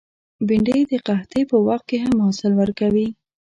بېنډۍ د قحطۍ په وخت کې هم حاصل ورکوي